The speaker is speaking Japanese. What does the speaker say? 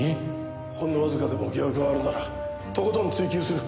ほんのわずかでも疑惑があるならとことん追及する。